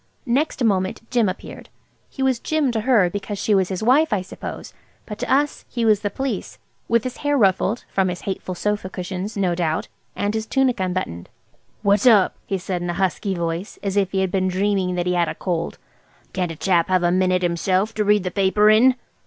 Next moment Jim appeared. He was Jim to her because she was his wife, I suppose, but to us he was the Police, with his hair ruffled–from his hateful sofa cushions, no doubt–and his tunic unbuttoned. "What's up?" he said in a husky voice, as if he had been dreaming that he had a cold. "Can't a chap have a minute himself to read the paper in?"